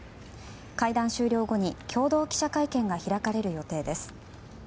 会談終了後に共同記者会見が開かれる予定です。